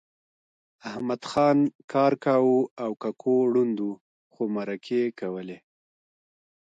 احمدخان کار کاوه او ککو ړوند و خو مرکې یې کولې